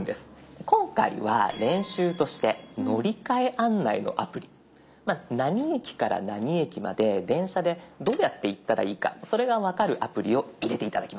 今回は練習として乗り換え案内のアプリ何駅から何駅まで電車でどうやって行ったらいいかそれが分かるアプリを入れて頂きます。